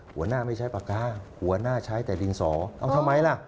หัวหน้าไม่ใช้ปากกาหัวหน้าใช้แต่ดินสอเอาทำไมล่ะ